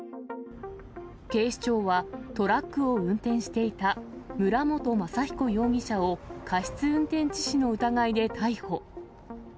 警視庁はトラックを運転していた村元雅彦容疑者を、過失運転致死の疑いで逮捕。